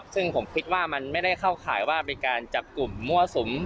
ซึ่งผมคิดว่ามันไม่ได้เข้าข่ายว่าเป็นการจับกลุ่มมั่วสุม